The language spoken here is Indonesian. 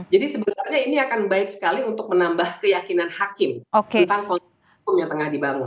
jadi sebenarnya ini akan baik sekali untuk menambah keyakinan hakim tentang konsum yang tengah dibangun